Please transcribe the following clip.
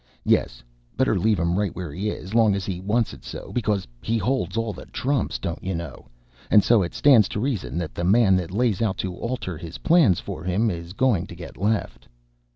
Yes, better leave him right wher' he is, long as he wants it so; becuz he holds all the trumps, don't you know, and so it stands to reason that the man that lays out to alter his plans for him is going to get left."